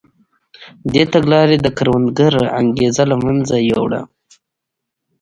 دې تګلارې د کروندګر انګېزه له منځه یووړه.